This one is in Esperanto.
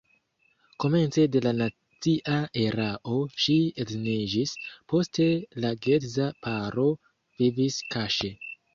Komence de la nazia erao ŝi edziniĝis, poste la geedza paro vivis kaŝe.